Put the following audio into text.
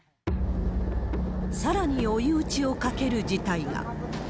さらに、追い打ちをかける事態が。